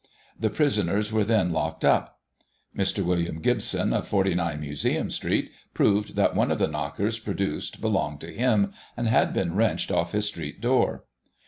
The prisoners were then locked up. Mr. William Gibson, of 49, Museum Street, proved that one of the knockers produced belonged to him, and had been wrenched off his street door.